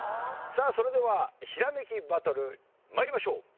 さあそれではひらめきバトル参りましょう。